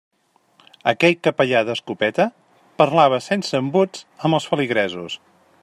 Aquell capellà d'escopeta parlava sense embuts amb els feligresos.